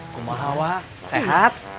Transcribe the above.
kumaha wak sehat